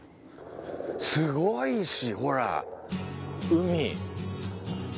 すごいしほら！